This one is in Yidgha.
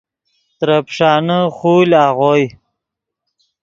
ترے پیݰانے خول آغوئے